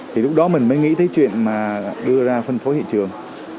thì lúc đó mình mới nghĩ tới chuyện mà đưa ra phân phối hiện trường